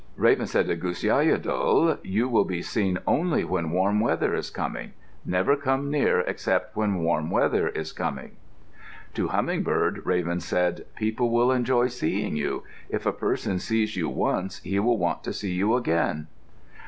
Raven said to Gusyiadul, "You will be seen only when warm weather is coming. Never come near except when warm weather is coming." To Humming bird Raven said, "People will enjoy seeing you. If a person sees you once, he will want to see you again."